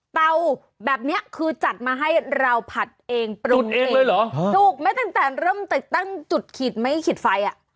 เตาแบบนี้คือจัดมาให้เราผัดเองปรุงเองถูกไหมตั้งแต่เริ่มตั้งจุดขีดไม่ขีดไฟ